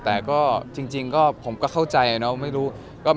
แต่จริงผมก็เข้าใจทำไม